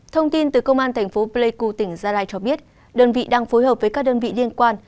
thông tin từ công an thành phố pleiku tỉnh gia lai cho biết đơn vị đang phối hợp với các đơn vị liên quan